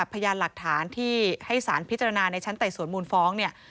พยานหลักฐานที่ให้สารพิจารณาในชั้นไต่สวนมูลฟ้องเนี่ย